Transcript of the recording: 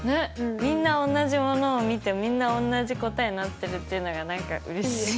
みんなおんなじものを見てみんなおんなじ答えになってるっていうのが何かうれしい。